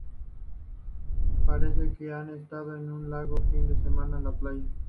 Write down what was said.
Parece que han estado un largo fin de semana en la playa